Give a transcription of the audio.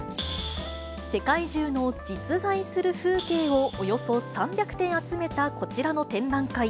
世界中の実在する風景をおよそ３００点集めたこちらの展覧会。